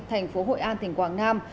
thành phố hội an tỉnh quảng nam